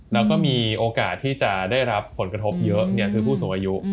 แล้วก็มีโอกาสที่จะได้รับผลกระทบเยอะคือผู้สูงอายุ